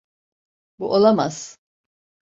Bu olamaz.